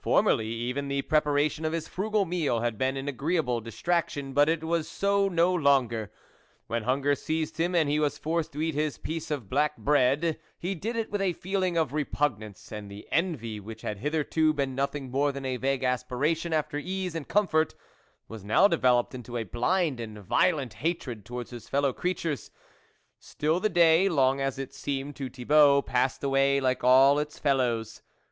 Formerly, even the preparation of his frugal meal had been an agreeable distraction, but it was so no longer ; when hunger seized him and he was forced to eat his piece of black bread, he did it with a feeling of repugnance, and the envy, which had hitherto been nothing more than a vague aspiration after ease and comfort, was now developed into a blind and violent hatred towards his fellow creatures. Still the day, long as it seemed to Thi bault, passed away like all its fellows.